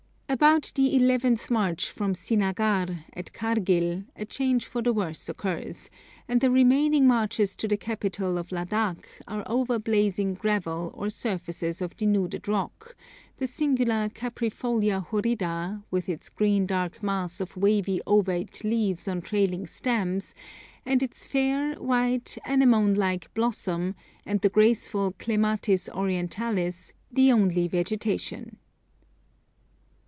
About the eleventh march from Srinagar, at Kargil, a change for the worse occurs, and the remaining marches to the capital of Ladakh are over blazing gravel or surfaces of denuded rock, the singular Caprifolia horrida, with its dark green mass of wavy ovate leaves on trailing stems, and its fair, white, anemone like blossom, and the graceful Clematis orientalis, the only vegetation.